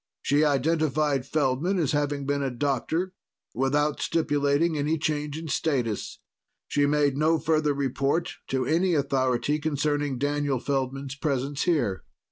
She identified Feldman as having been a doctor, without stipulating any change in status. She made no further report to any authority concerning Daniel Feldman's presence here.